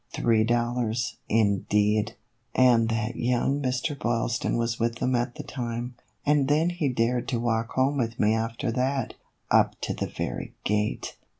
Three dollars, indeed ! And that young Mr. Boylston was with them at the time ; and then he dared to walk home with me after that up to the very gate